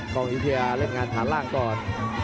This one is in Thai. กล้องวิทยาเล่นงานฐานล่างก่อน